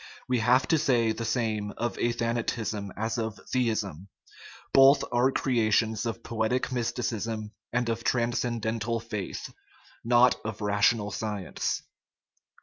We have to say the same of athanatism as of theism; both are creations of poetic mysticism and of transcendental " faith/' not of rational science.